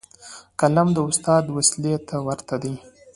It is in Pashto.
قلم د استاد وسلې ته ورته دی.